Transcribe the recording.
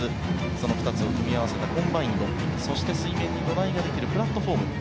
その２つを組み合わせたコンバインドそして、水面に土台ができるプラットフォーム。